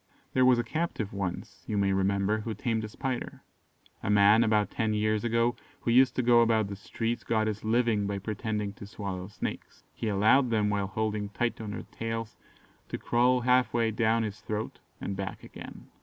There was a captive once, you may remember, who tamed a spider. A man, about ten years ago, who used to go about the streets, got his living by pretending to swallow snakes. He allowed them, while holding tight on their tails, to crawl half way down his throat and back again.